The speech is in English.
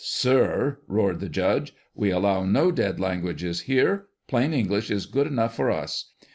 " Sir," roared the judge, " we allow no dead languages here. Plain English is good enough for us.